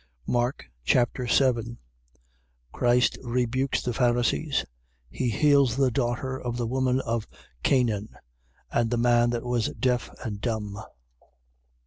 Mark Chapter 7 Christ rebukes the Pharisees. He heals the daughter of the woman of Chanaan; and the man that was deaf and dumb.